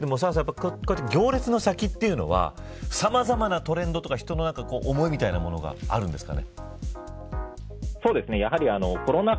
行列の先っていうのはさまざまなトレンドとか人の思いみたいなものがあるんですかね。